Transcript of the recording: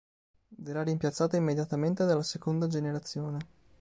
Verrà rimpiazzata immediatamente dalla seconda generazione.